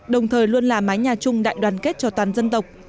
đồng thời luôn là mái nhà chung đại đoàn kết cho toàn dân tộc